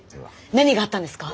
何があったんですか？